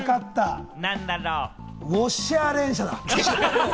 ウォッシャー連射だ。